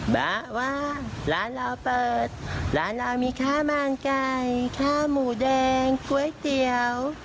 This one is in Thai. บอกว่าร้านเราเปิดร้านเรามีค่าบางไก่ข้าวหมูแดงก๋วยเตี๋ยว